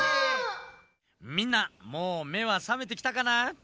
みんなもう目は覚めてきたかな？